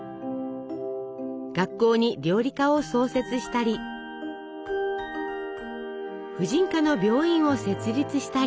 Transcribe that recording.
学校に料理科を創設したり婦人科の病院を設立したり。